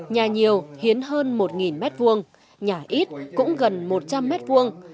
nhà nhiều hiến hơn một mét vuông nhà ít cũng gần một trăm linh mét vuông